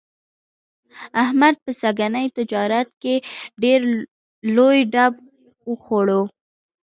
احمد په سږني تجارت کې ډېر لوی ډب وخوړلو.